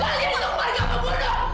kalian itu warga pembunuh